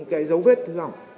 cái dấu vết hư hỏng